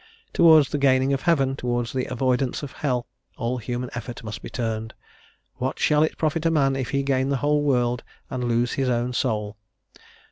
Towards the gaining of heaven, towards the avoidance of hell, all human effort must be turned. "What shall it profit a man if he gain the whole world, and lose his own soul?"